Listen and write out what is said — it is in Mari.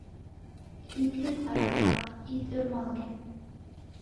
Ит лӱд арамак, ит ӧрмалге: